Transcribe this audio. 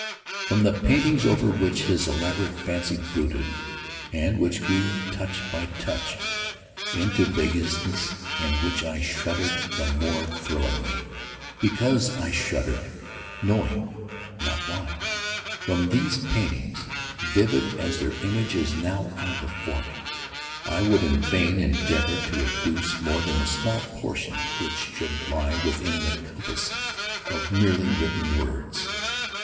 From the paintings over which his elaborate fancy brooded, and which grew, touch by touch, into vaguenesses at which I shuddered the more thrillingly, because I shuddered knowing not why—from these paintings (vivid as their images now are before me) I would in vain endeavor to educe more than a small portion which should lie within the compass of merely written words.